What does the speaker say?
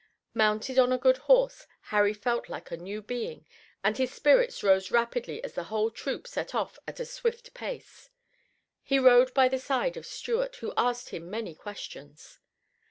Mounted on a good horse, Harry felt like a new being, and his spirits rose rapidly as the whole troop set off at a swift pace. He rode by the side of Stuart, who asked him many questions.